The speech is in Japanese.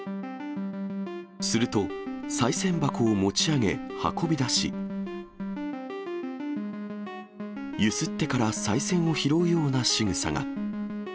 すると、さい銭箱を持ち上げ、運び出し、ゆすってからさい銭を拾うようなしぐさが。